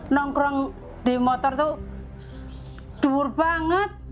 nongkrong di motor tuh dur banget